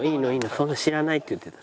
そんな知らないって言ってた。